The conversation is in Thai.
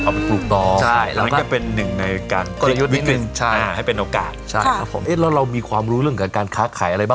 อันนี้ก็เลยเอาไปปลูกต่อ